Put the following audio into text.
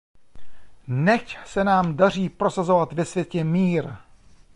Nechť se nám daří prosazovat ve světě mír.